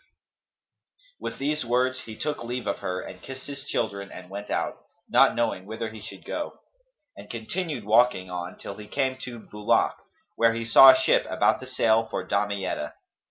"[FN#266] With these words he took leave of her and kissed his children and went out, not knowing whither he should go, and he continued walking on till he came to Bulαk, where he saw a ship about to sail for Damietta.